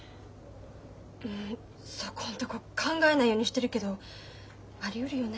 うんそこんとこ考えないようにしてるけどありうるよね。